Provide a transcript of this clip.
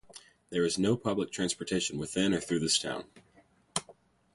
There is no public transportation within or through the town.